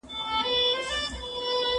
واکسن د خلکو روغتیا ساتي.